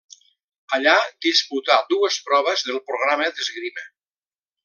Allà disputà dues proves del programa d'esgrima.